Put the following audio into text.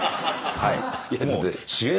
はい。